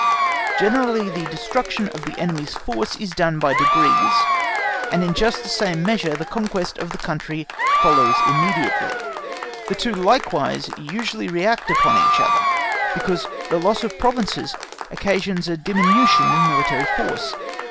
Generally the destruction of the enemy's force is done by degrees, and in just the same measure the conquest of the country follows immediately. The two likewise usually react upon each other, because the loss of provinces occasions a diminution of military force.